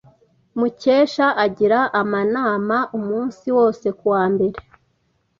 Mukesha agira amanama umunsi wose kuwa mbere.